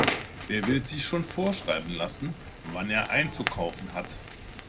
Wer will sich schon vorschreiben lassen, wann er einzukaufen hat?